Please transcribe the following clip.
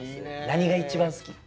何が一番好き？